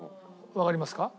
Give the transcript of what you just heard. わかりますか？